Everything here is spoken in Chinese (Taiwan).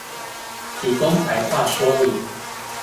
提供白話說明